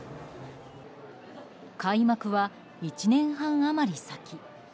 開幕は１年半余り先。